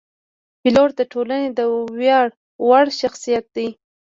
پیلوټ د ټولنې د ویاړ وړ شخصیت دی.